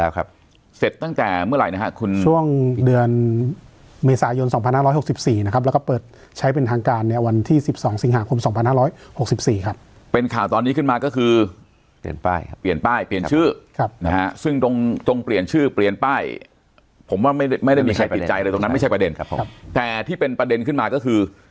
แล้วครับเสร็จตั้งแต่เมื่อไหร่นะฮะคุณช่วงเดือนเมษายน๒๕๖๔นะครับแล้วก็เปิดใช้เป็นทางการเนี่ยวันที่๑๒สิงหาคม๒๕๖๔ครับเป็นข่าวตอนนี้ขึ้นมาก็คือเปลี่ยนป้ายครับเปลี่ยนป้ายเปลี่ยนชื่อครับนะฮะซึ่งตรงตรงเปลี่ยนชื่อเปลี่ยนป้ายผมว่าไม่ได้มีใครติดใจอะไรตรงนั้นไม่ใช่ประเด็นครับผมแต่ที่เป็นประเด็นขึ้นมาก็คือ